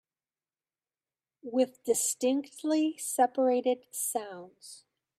With distinctly separated sounds